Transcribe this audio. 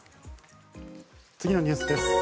次のニュースです。